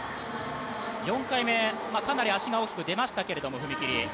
４回目、かなり足が大きく出ましたけれども、踏み切り。